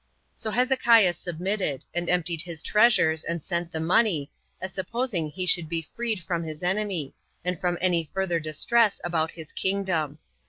So Hezekiah submitted, and emptied his treasures, and sent the money, as supposing he should be freed from his enemy, and from any further distress about his kingdom.